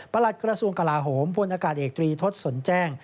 หลัดกระทรวงกลาโหมพลอากาศเอกตรีทศสนแจ้ง